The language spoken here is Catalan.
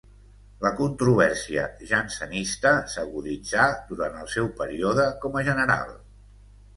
La controvèrsia jansenista s'aguditzà durant el seu període com a General.